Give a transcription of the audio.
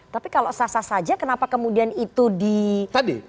tapi kalau sasah saja kenapa kemudian itu di